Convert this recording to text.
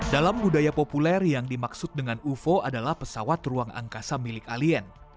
dalam budaya populer yang dimaksud dengan ufo adalah pesawat ruang angkasa milik alien